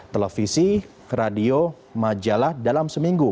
televisi radio majalah dalam seminggu